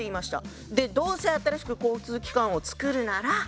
でどうせ新しく交通機関をつくるなら。